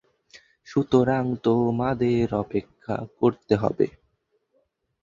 সুতরাং তোমাদের অপেক্ষা করতে হবে।